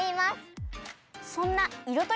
そんないろ